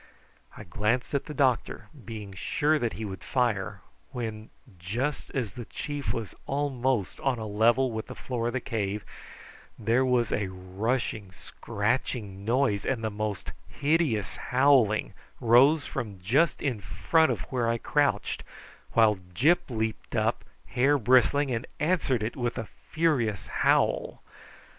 I glanced at the doctor, being sure that he would fire, when, just as the chief was almost on a level with the floor of the cave, there was a rushing, scratching noise, and the most hideous howling rose from just in front of where I crouched, while Gyp leaped up, with hair bristling, and answered it with a furious howl.